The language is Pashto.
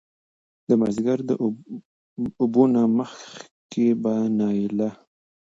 د مازديګر د اوبو نه مخکې به نايله